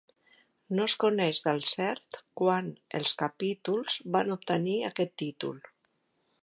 No es coneix del cert quan els capítols van obtenir aquest títol.